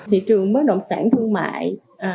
thị trường mất động sản thương mại